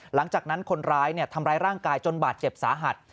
หลังจากนั้นคนร้ายทำร้ายร่างกายจนบาดเจ็บสาหัส